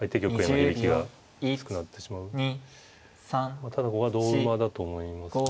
まあただここは同馬だと思いますね。